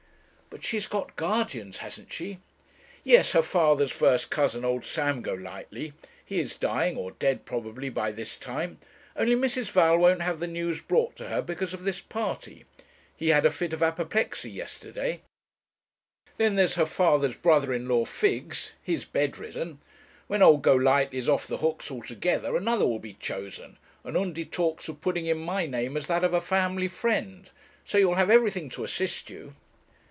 'But she has got guardians, hasn't she?' 'Yes her father's first cousin, old Sam Golightly. He is dying; or dead probably by this time; only Mrs. Val won't have the news brought to her, because of this party. He had a fit of apoplexy yesterday. Then there's her father's brother in law, Figgs; he's bedridden. When old Golightly is off the hooks altogether, another will be chosen, and Undy talks of putting in my name as that of a family friend; so you'll have everything to assist you.'